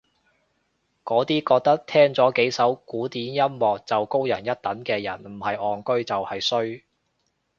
嗰啲覺得聽咗幾首古典音樂就高人一等嘅人唔係戇居就係衰